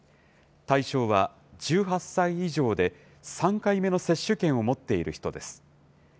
対象は１８歳以上で、３回目の接種券を持っている人です。